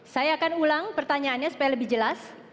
saya akan ulang pertanyaannya supaya lebih jelas